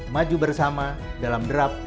maju bersama dalam derap